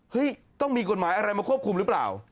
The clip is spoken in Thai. ต้องมีกฎหมายอะไรมาควบคุมหรือเปล่า